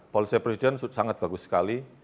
polsek presiden sangat bagus sekali